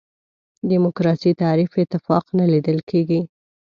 دیموکراسي تعریف اتفاق نه لیدل کېږي.